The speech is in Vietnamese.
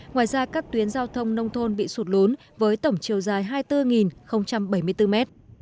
ngoài ra các tuyến giao thông nông thôn bị sụt lún với tổng chiều dài hai mươi bốn bảy mươi bốn m